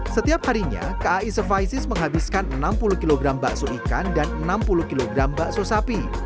setiap harinya kai services menghabiskan enam puluh kg bakso ikan dan enam puluh kg bakso sapi